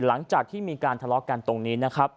หลังจากที่มีการทะเลาะกันตรงนี้นะครับ